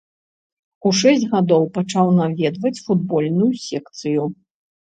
У шэсць гадоў пачаў наведваць футбольную секцыю.